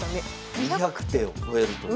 ２００手を超えるという。